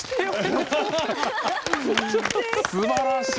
すばらしい！